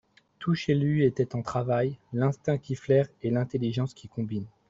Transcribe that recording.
Tout chez lui était en travail, l'instinct qui flaire et l'intelligence qui combine.